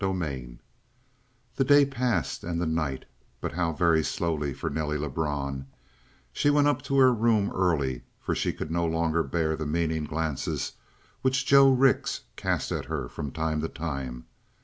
40 The day passed and the night, but how very slowly for Nelly Lebrun; she went up to her room early for she could no longer bear the meaning glances which Joe Rix cast at her from time to time.